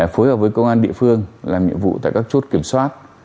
phối hợp với công an địa phương làm nhiệm vụ tại các chốt kiểm soát